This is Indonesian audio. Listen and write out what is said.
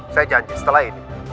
saya janji setelah ini